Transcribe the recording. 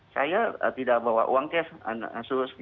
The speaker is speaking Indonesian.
saya tidak bawa uang kes sus